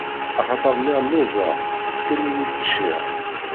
Axaṭer lliɣ lluẓeɣ, tefkam-iyi ččiɣ.